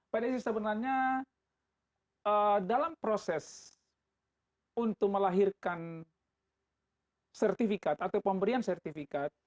pak desi sebenarnya dalam proses untuk melahirkan sertifikat atau pemberian sertifikat